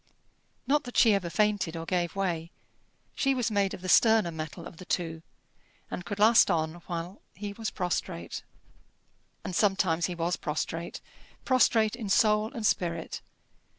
Not that she ever fainted or gave way: she was made of the sterner metal of the two, and could last on while he was prostrate. And sometimes he was prostrate prostrate in soul and spirit.